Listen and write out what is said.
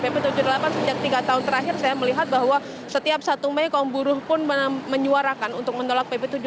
pp tujuh puluh delapan sejak tiga tahun terakhir saya melihat bahwa setiap satu mei kaum buruh pun menyuarakan untuk menolak pp tujuh puluh